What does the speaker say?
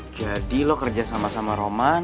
jadi lo kerja sama sama roman